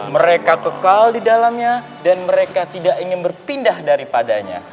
mereka kekal di dalamnya dan mereka tidak ingin berpindah daripadanya